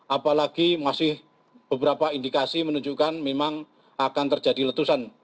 apalagi masih beberapa indikasi menunjukkan memang akan terjadi letusan